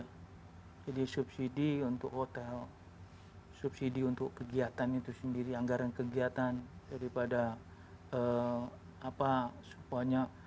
jadi subsidi untuk hotel subsidi untuk kegiatan itu sendiri anggaran kegiatan daripada apa semuanya